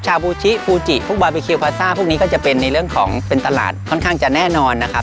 บูชิฟูจิพวกบาร์บีคิวพาซ่าพวกนี้ก็จะเป็นในเรื่องของเป็นตลาดค่อนข้างจะแน่นอนนะครับ